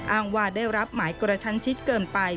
อ้างว่าได้รับหมายกระชันชิดเกินไป